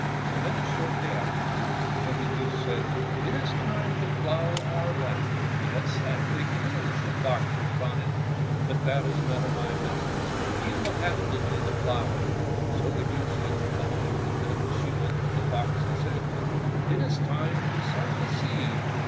They met shortly afterward, and the goose said, "It is time to plough our land." "Yes, I think it is," the fox responded. 142 Fairy Tale Foxes "but that is none of my business. You will have to do the ploughing." So the goose did the ploughing, and then she went to the fox and said, "It is time to sow the seed."